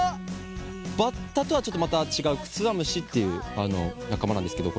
バッタとはちょっとまた違うクツワムシっていう仲間なんですけど。